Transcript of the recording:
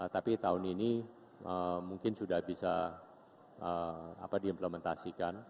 tapi tahun ini mungkin sudah bisa diimplementasikan